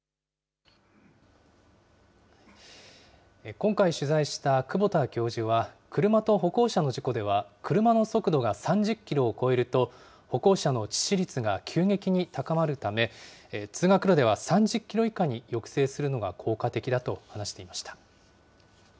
今回取材した久保田教授は、車と歩行者の事故では、車の速度が３０キロを超えると、歩行者の致死率が急激に高まるため、通学路では３０キロ以下に抑制するのが効果的だと話していました。